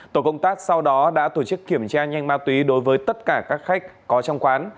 tổ công tác sau đó đã tổ chức kiểm tra nhanh ma túy đối với tất cả các khách có trong quán